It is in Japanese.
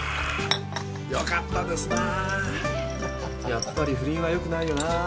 やっぱり不倫はよくないよなぁ。